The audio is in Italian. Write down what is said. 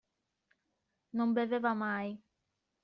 Non beveva mai.